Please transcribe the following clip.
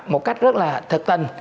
một cách rất là thật tình